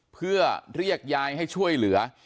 เพื่อเรียกยายให้ช่วยเหลือ